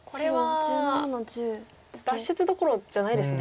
脱出どころじゃないですね。